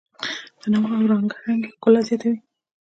تنوع او رنګارنګي ښکلا زیاتوي.